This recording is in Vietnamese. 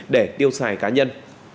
để tiêu xài cá nhân